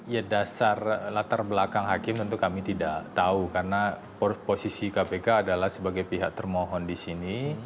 ya dasar latar belakang hakim tentu kami tidak tahu karena posisi kpk adalah sebagai pihak termohon di sini